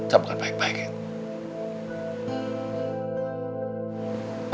sama kan baik baiknya